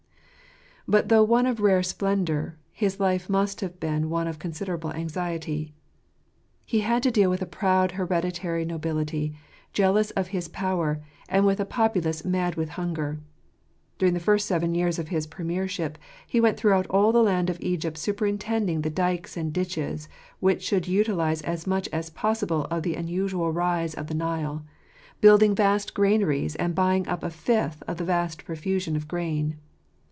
But though one of rare spendour, his life must have been one of considerable anxiety. He had to deal with a proud hereditary nobility, jealous of his power, and with a popu lace mad with hunger. During the first seven years of his premiership he went throughout all the land of Egypt superintending the dykes and ditches which should utilize as much as possible the unusual rise of the Nile ; building vast granaries, and buying up a fifth of the vast profusion of grain.